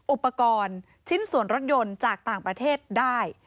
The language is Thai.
อุปกรณ์ชิ้นส่วนรถยนต์จากต่างประเทศได้